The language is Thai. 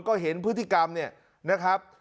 ก็เห็นพฤติกรรมเนี่ยนะครับ